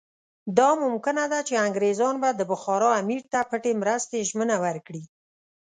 دا ممکنه ده چې انګریزان به د بخارا امیر ته پټې مرستې ژمنه ورکړي.